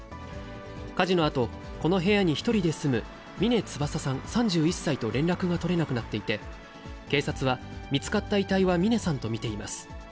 火事のあと、この部屋に１人で住む峰翼さん３１歳と連絡が取れなくなっていて、警察は見つかった遺体は峰さんと見ています。